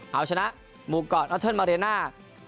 เอาชนะมูกกอร์ดนอตเทินมาเรน่า